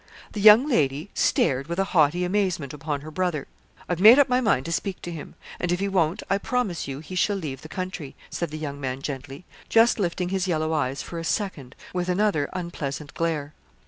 The young lady stared with a haughty amazement upon her brother. 'I've made up my mind to speak to him; and if he won't I promise you he shall leave the country,' said the young man gently, just lifting his yellow eyes for a second with another unpleasant glare.